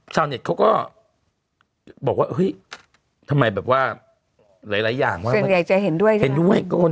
มันหมดแบบนี้นิดนึง